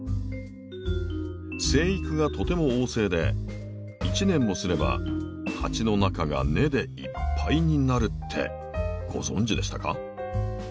生育がとても旺盛で１年もすれば鉢の中が根でいっぱいになるってご存じでしたか？